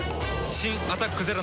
新「アタックＺＥＲＯ」